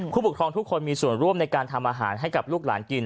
ผู้ปกครองทุกคนมีส่วนร่วมในการทำอาหารให้กับลูกหลานกิน